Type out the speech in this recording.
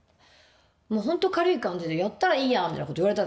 本当軽い感じで「やったらいいやん」みたいなこと言われたんですよ。